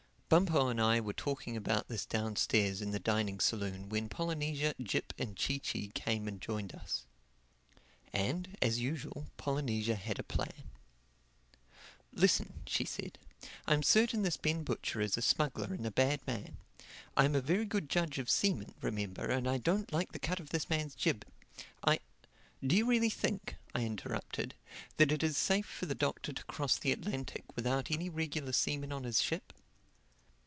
Bumpo and I were talking about this downstairs in the dining saloon when Polynesia, Jip and Chee Chee came and joined us. And, as usual, Polynesia had a plan. "Listen," she said, "I am certain this Ben Butcher is a smuggler and a bad man. I am a very good judge of seamen, remember, and I don't like the cut of this man's jib. I—" "Do you really think," I interrupted, "that it is safe for the Doctor to cross the Atlantic without any regular seamen on his ship?"